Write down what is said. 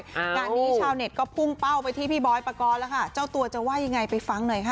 งานนี้ชาวเน็ตก็พุ่งเป้าไปที่พี่บอยปกรณ์แล้วค่ะเจ้าตัวจะว่ายังไงไปฟังหน่อยค่ะ